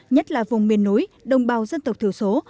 nhất là vùng miền núi đồng bào dân tộc thiểu số